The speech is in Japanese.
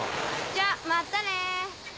じゃまたね。